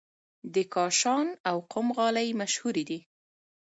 د کاشان او قم غالۍ هم مشهورې دي.